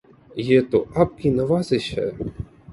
یہ تو آپ کی نوازش ہے